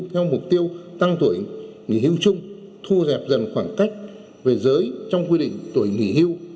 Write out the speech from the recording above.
theo mục tiêu tăng tuổi nghỉ hưu chung thu hẹp dần khoảng cách về giới trong quy định tuổi nghỉ hưu